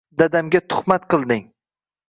Dadamga tuhmat qilding.